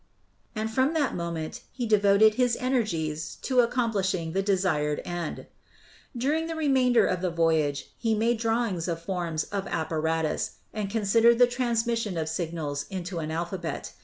And from that moment he devoted his energies to accomplishing the desired end. During the remainder of the voyage he made drawings of forms of apparatus and considered the transmission of signals into an alphabet.